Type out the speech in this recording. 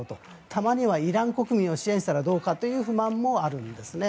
たまにはイラン国民を支援したらどうかという不満もあるわけですね。